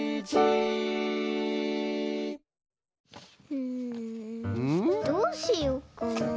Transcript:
うんどうしよっかな。